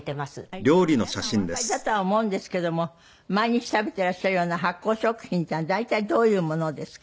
一応皆さんおわかりだとは思うんですけども毎日食べてらっしゃるような発酵食品っていうのは大体どういうものですか？